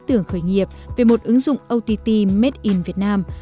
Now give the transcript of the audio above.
tưởng khởi nghiệp về một ứng dụng ott made in việt nam